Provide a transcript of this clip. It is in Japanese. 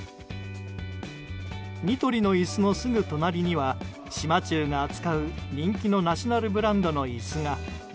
ニトリの椅子のすぐ隣には島忠が扱う人気のナショナルブランドの椅子が。